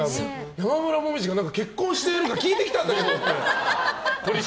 山村紅葉が、結婚してるか聞いてきたんだけど！